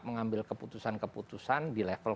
mengambil keputusan keputusan di level